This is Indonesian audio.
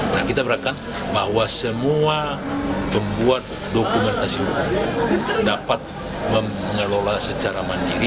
nah kita berharap bahwa semua pembuat dokumentasi hukum dapat mengelola secara mandiri